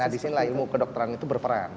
nah di sini lah ilmu kedokteran itu berperan